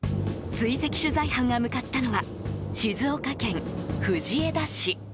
追跡取材班が向かったのは静岡県藤枝市。